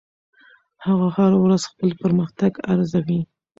هغه هره ورځ خپل پرمختګ ارزوي.